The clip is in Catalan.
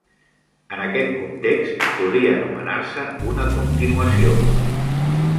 En aquest context podria anomenar-se una "continuació".